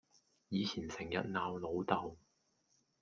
以前成日鬧老豆